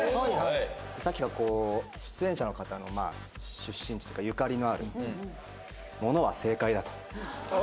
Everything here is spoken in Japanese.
さっきからこう出演者の方の出身地というかゆかりのあるものは正解だと・ああ